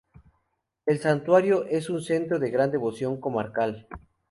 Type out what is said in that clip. El santuario es un centro de gran devoción comarcal.